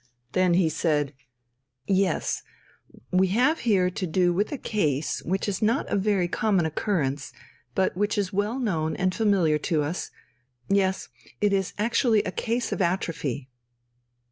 Then he said: "Yes; we have here to do with a case which is not of very common occurrence, but which is well known and familiar to us. Yes. It is actually a case of atrophy